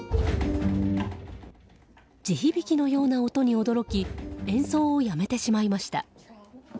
地響きのような音に驚き演奏をやめてしまいました。